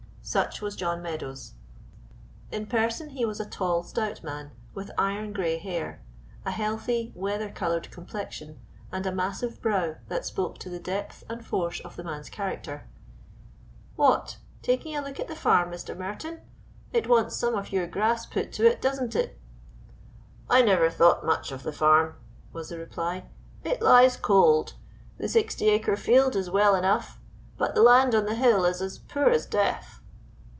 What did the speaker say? Such was John Meadows. In person he was a tall, stout man, with iron gray hair, a healthy, weather colored complexion, and a massive brow that spoke to the depth and force of the man's character. "What, taking a look at the farm, Mr. Merton? It wants some of your grass put to it, doesn't it?" "I never thought much of the farm," was the reply, "it lies cold; the sixty acre field is well enough, but the land on the hill is as poor as death."